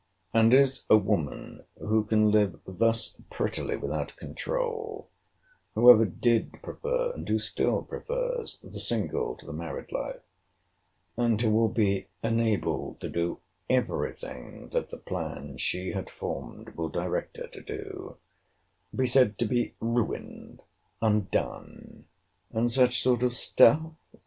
And is a woman who can live thus prettily without controul; who ever did prefer, and who still prefers, the single to the married life; and who will be enabled to do every thing that the plan she had formed will direct her to do; to be said to be ruined, undone, and such sort of stuff?